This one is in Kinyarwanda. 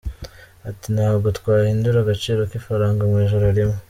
Ati “Ntabwo twahindura agaciro k’ifaranga mu ijoro rimwe.